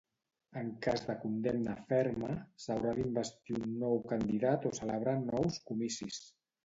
En cas de condemna ferma, s'haurà d'investir un nou candidat o celebrar nous comicis.